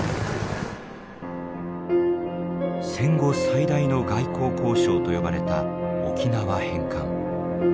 戦後最大の外交交渉と呼ばれた沖縄返還。